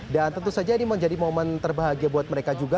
dan tentu saja ini menjadi momen terbahagia buat mereka juga